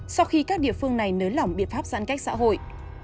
sau khi các địa phương này nới lỏng biện pháp giãn cách xã hội